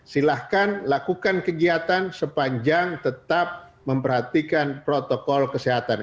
silahkan lakukan kegiatan sepanjang tetap memperhatikan protokol kesehatan